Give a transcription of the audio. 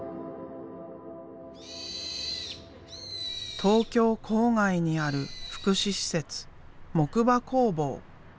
東京郊外にある福祉施設木馬工房。